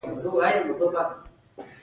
استاد د بدلون پیل کوي.